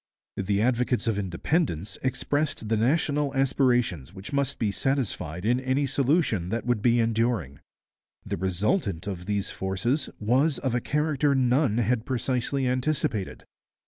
The advocates of Independence expressed the national aspirations which must be satisfied in any solution that would be enduring. The resultant of these forces was of a character none had precisely anticipated.